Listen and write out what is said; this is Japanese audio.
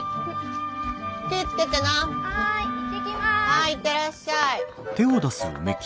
はい行ってらっしゃい。